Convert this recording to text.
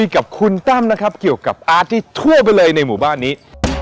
กับคุณตั้มนะครับเกี่ยวกับอาร์ตที่ทั่วไปเลยในหมู่บ้านนี้